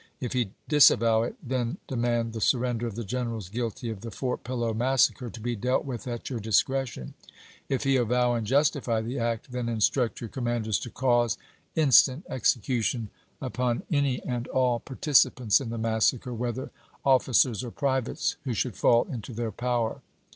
If he disavow it, then demand the surrender of the generals guilty of the Fort Pillow massacre to be dealt with at your discretion. If he avow and justify the act, then instruct your commanders to cause instant execution upon any Blair, Opinion, MS. KETALIATION 483 and all participants in the massacre, whether of ficers or privates, who should fall into their power.